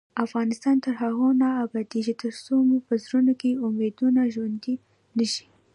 افغانستان تر هغو نه ابادیږي، ترڅو مو په زړونو کې امیدونه ژوندۍ نشي.